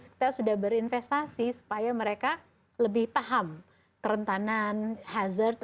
kita sudah berinvestasi supaya mereka lebih paham kerentanan hazard